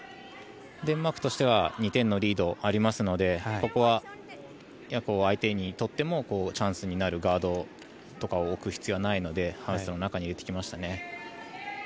デンマークとしては２点のリードがありますのでここは相手にとってもチャンスになるガードとかを置く必要はないのでハウスの中に入れてきましたね。